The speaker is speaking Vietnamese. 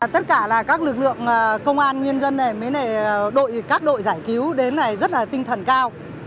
tất cả là các lực lượng công an nhân dân này với các đội giải cứu đến này rất là tinh thần cao